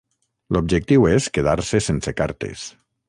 L'objectiu és quedar-se sense cartes.